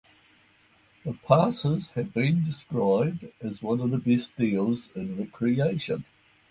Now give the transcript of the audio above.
The passes have been described as one of the best deals in recreation.